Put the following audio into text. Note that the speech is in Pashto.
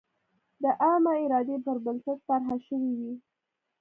د عامه ارادې پر بنسټ طرحه شوې وي.